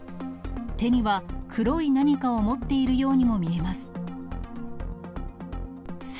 手には、黒い何かを持っているようにも見えます。